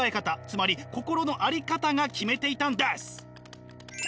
つまり心の在り方が決めていたんです。